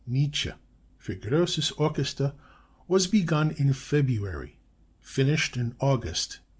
Nietzsche) für grosses Orchester_, was begun in February, finished in August, 1896.